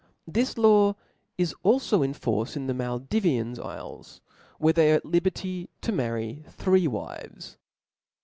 This C)S«*?* law isalfoin force in the Maldiyian ifles C*) where ' they are at liberty to marry three wives, O.